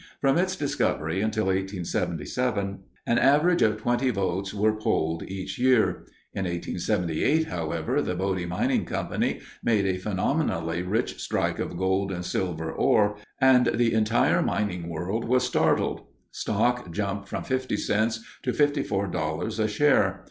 From its discovery until 1877 an average of twenty votes were polled each year. In 1878, however, the Bodie Mining Company made a phenomenally rich strike of gold and silver ore, and the entire mining world was startled. Stock jumped from fifty cents to fifty four dollars a share.